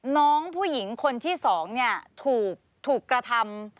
น้องผู้หญิงคนที่๒ถูกกระทำ